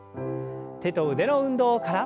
手と腕の運動から。